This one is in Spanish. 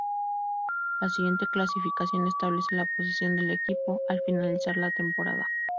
La siguiente clasificación establece la posición del equipo al finalizar la temporada.